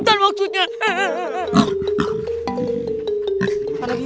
ya allah tolong ya allah